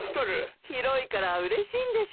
広いからうれしいんでしょう。